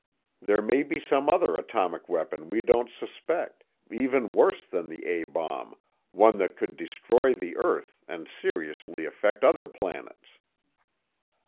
There may be some other atomic weapon we don't suspect, even worse than the A bomb, one that could destroy the earth and seriously affect other planets."